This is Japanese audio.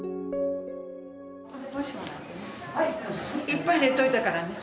いっぱい入れといたからね。